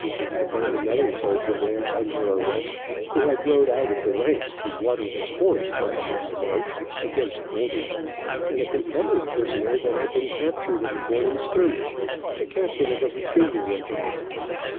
I found another soldier there, under arrest, who had rode out of the ranks to water his horse, while on the march, against orders, and a Confederate prisoner that had been captured in the morning skirmish, a captain of a Virginia regiment.